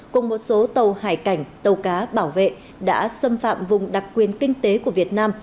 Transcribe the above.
cùng một số tàu hải cảnh tàu cá bảo vệ đã xâm phạm vùng đặc quyền kinh tế của việt nam